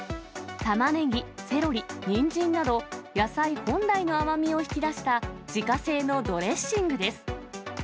たまねぎ、セロリ、にんじんなど、野菜本来の甘みを引き出した自家製のドレッシングです。